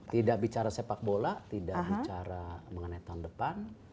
tidak bicara sepak bola tidak bicara mengenai tahun depan